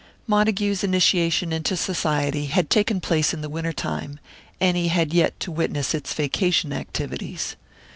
Montague's initiation into Society had taken place in the winter time, and he had yet to witness its vacation activities.